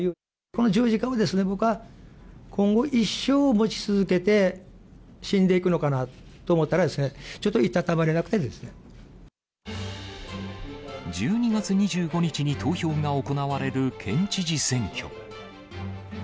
この十字架をですね、僕は今後一生持ち続けて、死んでいくのかなと思ったら、ちょっと１２月２５日に投票が行われる県知事選挙。